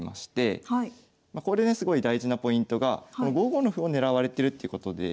これですごい大事なポイントが５五の歩を狙われてるっていうことで。え。